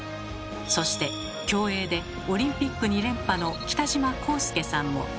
そして競泳でオリンピック２連覇の北島康介さんも。